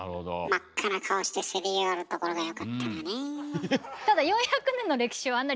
真っ赤な顔してせり上がるところがよかったのよねえ。